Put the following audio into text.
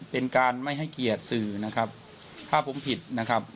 เป็นการไม่ให้เกียรติสื่อนะครับถ้าผมผิดนะครับ